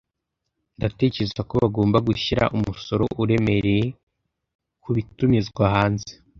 Ndatekereza ko bagomba gushyira umusoro uremereye kubitumizwa hanze.